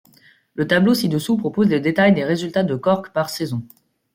Le tableau ci-dessous propose le détail des résultats de Cork par saison.